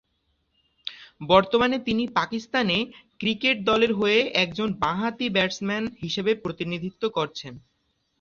বর্তমানে তিনি "Pakistan A" cricket দলের হয়ে একজন বা-হাতি ব্যাটসম্যান হিসেবে প্রতিনিধিত্ব করছেন।